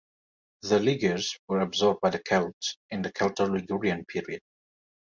The Ligures were absorbed by the Celts in the Celto-Ligurian period.